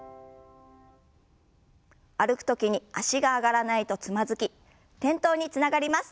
歩く時に脚が上がらないとつまずき転倒につながります。